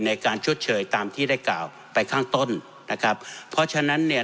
ชดเชยตามที่ได้กล่าวไปข้างต้นนะครับเพราะฉะนั้นเนี่ย